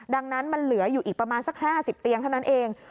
ดังนั้นมันเหลืออยู่อีกประมาณสัก๕๐เตียงเท่านั้นเอง